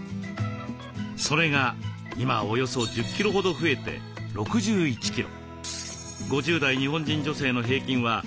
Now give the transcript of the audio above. それが今はおよそ１０キロほど増えて６１キロ。